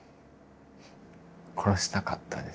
殺したかったですね。